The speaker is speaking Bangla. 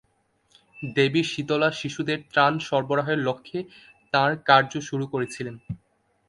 দেবী শীতলা শিশুদের ত্রাণ সরবরাহের লক্ষ্যে তাঁর কার্য শুরু করেছিলেন।